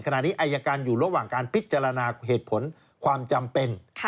ขณะนี้อายการอยู่ระหว่างการพิจารณาเหตุผลความจำเป็น